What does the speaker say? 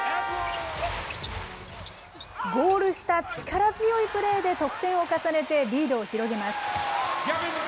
ゴール下、力強いプレーで得点を重ねてリードを広げます。